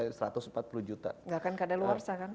tidak akan keadaan luar sah kan